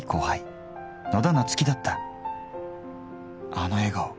あの笑顔。